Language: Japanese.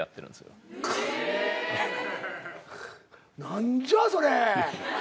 何じゃそれ。